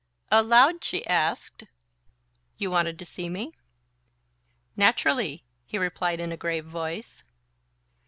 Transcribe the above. Aloud she asked: "You wanted to see me?" "Naturally," he replied in a grave voice.